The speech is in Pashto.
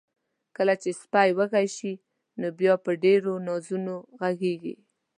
کله چې سپی وږي شي، نو بیا په ډیرو نازونو غږیږي.